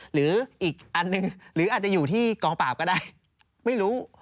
หรืออีกอันหนึ่งหรืออาจจะอยู่ที่กองปราบก็ได้ไม่รู้